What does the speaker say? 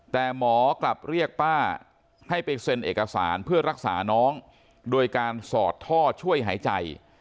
แต่หมอกลับเรียกป้าให้ไปเซ็นเอกสารเพื่อรักษาน้องโดยการสอดท่อช่วยหายใจ